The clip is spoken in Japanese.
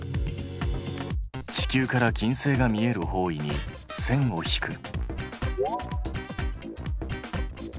地球から金星が見える方位に線を引く。